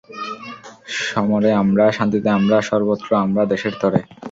সমরে আমরা, শান্তিতে আমরা, সর্বত্র আমরা দেশের তরে।